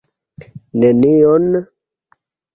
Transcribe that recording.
Nenion?